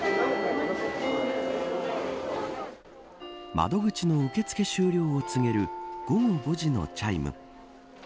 窓口の受け付け終了を告げる午後５時のチャイム。